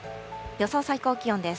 予想最高気温です。